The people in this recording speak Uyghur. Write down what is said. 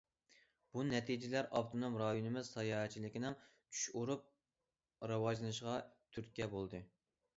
بۇ نەتىجىلەر ئاپتونوم رايونىمىز ساياھەتچىلىكىنىڭ جۇش ئۇرۇپ راۋاجلىنىشىغا تۈرتكە بولدى.